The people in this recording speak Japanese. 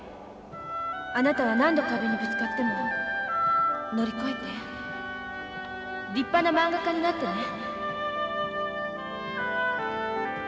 あなたは何度壁にぶつかっても乗り越えて立派なまんが家になってね。